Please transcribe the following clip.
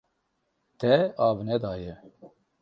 Te av nedaye.